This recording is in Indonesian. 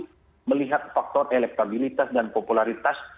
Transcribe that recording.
kita melihat faktor elektabilitas dan popularitas